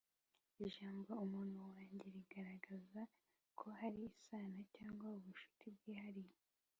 ijambo umuntu wanjye rigaragaza ko hari isano cyangwa ubushuti bwihariye